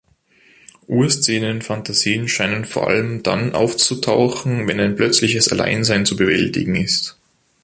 Urszenen-Phantasien scheinen vor allem dann aufzutauchen, wenn ein plötzliches Alleinsein zu bewältigen ist.